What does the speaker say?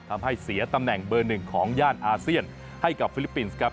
ทำให้เสียตำแหน่งเบอร์หนึ่งของย่านอาเซียนให้กับฟิลิปปินส์ครับ